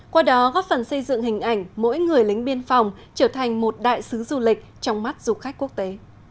qua đó góp phần xây dựng hình ảnh mỗi người lính biên phòng trở thành một đại sứ du lịch trong mắt du khách quốc tế